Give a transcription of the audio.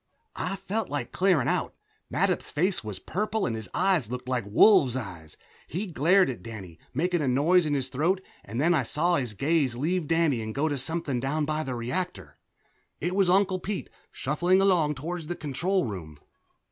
I felt like clearing out. Mattup's face was purple and his eyes looked like wolves' eyes. He glared at Danny, making a noise in his throat, and then I saw his gaze leave Danny and go to something down by the reactor. It was Uncle Pete, shuffling along toward the control room.